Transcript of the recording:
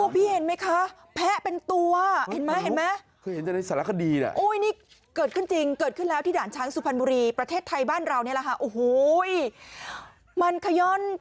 พี่เห็นมั้ยคะแพะเป็นตัวเห็นมั๊ย